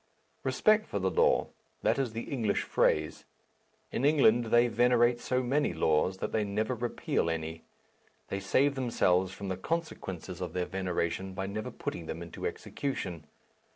Respect for the law: that is the English phrase. In England they venerate so many laws, that they never repeal any. They save themselves from the consequences of their veneration by never putting them into execution.